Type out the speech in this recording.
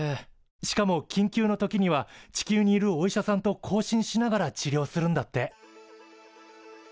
しかも緊急の時には地球にいるお医者さんと交信しながら治療するんだって。